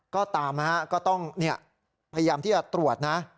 ก็ตามนะฮะก็ต้องพยายามที่จะตรวจนะ